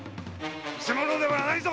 見せ物ではないぞ！